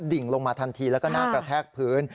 ดิ่งลงมาทันทีแล้วก็หน้ากระแทกพื้น